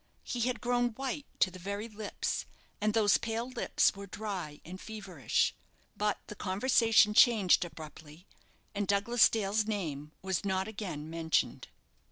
He had grown white to the very lips; and those pale lips were dry and feverish. But the conversation changed abruptly, and Douglas Dale's name was not again mentioned.